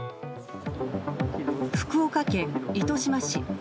福岡県糸島市。